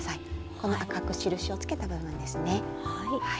この赤く印をつけた部分ですね。